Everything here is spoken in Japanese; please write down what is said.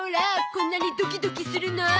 こんなにドキドキするの？